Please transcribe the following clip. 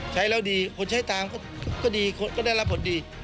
ใช้แล้วดีคนใช้ตามก็ดีคนก็ได้รับผลดี